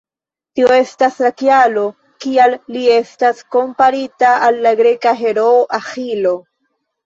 Tio estas la kialo kial li estas komparita al la greka heroo Aĥilo.